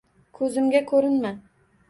Ko'zimga ko'rinma!